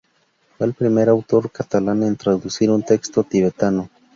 Fue el primer autor catalán en traducir un texto tibetano.